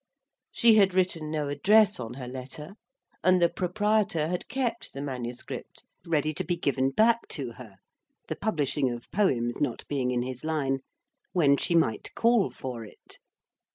She had written no address on her letter; and the proprietor had kept the manuscript ready to be given back to her (the publishing of poems not being in his line) when she might call for it.